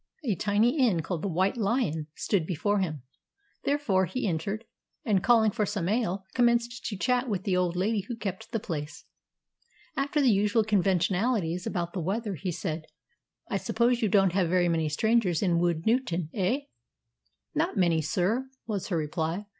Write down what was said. A tiny inn, called the "White Lion," stood before him, therefore he entered, and calling for some ale, commenced to chat with the old lady who kept the place. After the usual conventionalities about the weather, he said, "I suppose you don't have very many strangers in Woodnewton, eh?" "Not many, sir," was her reply.